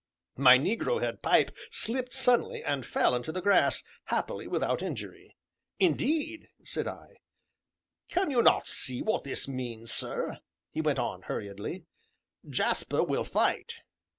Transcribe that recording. My negro head pipe slipped suddenly, and fell into the grass, happily without injury. "Indeed!" said I. "Can you not see what this means, sir?" he went on hurriedly. "Jasper will fight."